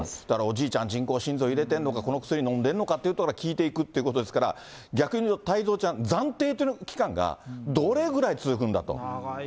だから、おじいちゃん、人工心臓入れてるのか、この薬飲んでんのかということを聞いていくっていうことですから、逆に太蔵ちゃん、暫定という期間がどれぐらい続くんだと。